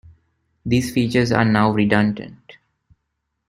These features are now redundant.